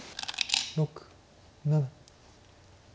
６７。